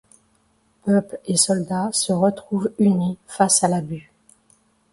Peuple et soldats se retrouvent unis face à l'abus.